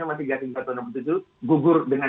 nomor tiga ribu lima ratus enam puluh tujuh gugur dengan